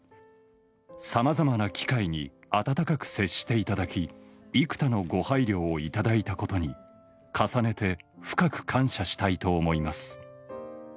さまざまな機会に温かく接していただき、幾多のご配慮を頂いたことに、重ねて深く感謝したいと思います。